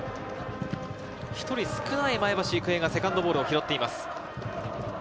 １人少ない前橋育英がセカンドボールを拾っています。